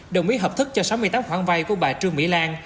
đồng ý hợp thức cho sáu mươi tám khoản vay của bà trương mỹ lan